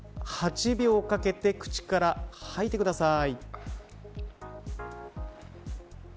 ８秒かけて口から吐いてください。